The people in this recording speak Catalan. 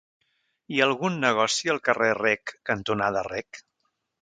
Hi ha algun negoci al carrer Rec cantonada Rec?